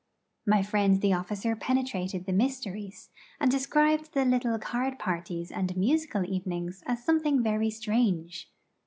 My friend the officer penetrated the mysteries, and described the little card parties and musical evenings as something very strange.